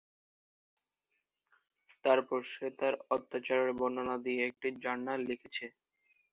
তারপর সে তার অত্যাচারের বর্ণনা দিয়ে একটি জার্নাল লিখেছে।